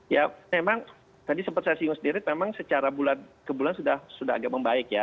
ya memang tadi sempat saya singgung sendiri memang secara bulan ke bulan sudah agak membaik ya